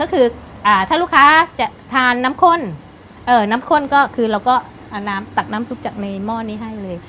ก็คือถ้าลูกค้าจะทานน้ำข้นน้ำข้นก็คือเราก็เอาน้ำตักน้ำซุปจากในหม้อนี้ให้เลย